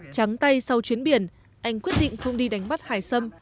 trắng tay sau chuyến biển anh quyết định không đi đánh bắt hải xâm